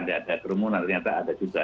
tidak ada keremunan ternyata ada juga